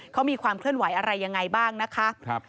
เขามีความเคลื่อนไหวอะไรยังไงบ้างนะคะ